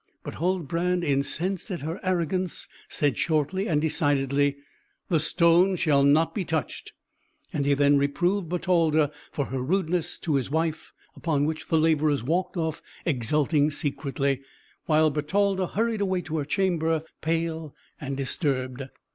But Huldbrand, incensed at her arrogance, said shortly and decidedly, "The stone shall not be touched," and he then reproved Bertalda for her rudeness to his wife; upon which the labourers walked off, exulting secretly, while Bertalda hurried away to her chamber, pale and disturbed.